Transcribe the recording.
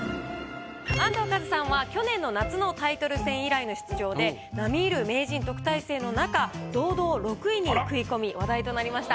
安藤和津さんは去年の夏のタイトル戦以来の出場で並みいる名人特待生の中堂々６位に食い込み話題となりました。